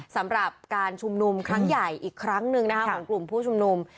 สำหรับการชุมนุมครั้งใหญ่อีกครั้งหนึ่งนะคะของกลุ่มผู้ชุมนุม